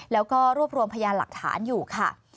แล้วก็รวบรวมพยานหลักฐานอยู่ค่ะ